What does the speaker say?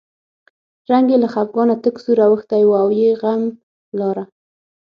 رنګ یې له خپګانه تک تور اوښتی و او یې غم لاره.